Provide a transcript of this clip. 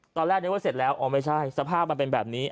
ตอนแรกนึกว่าเสร็จแล้วอ๋อไม่ใช่สภาพมันเป็นแบบนี้